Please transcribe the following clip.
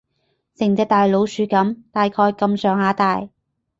成隻大老鼠噉，大概噉上下大